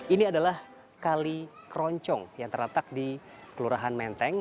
ini adalah kali keroncong yang terletak di kelurahan menteng